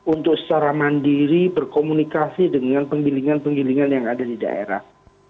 untuk secara mandiri berkomunikasi dengan penggilingan penggilingan yang ada di daerah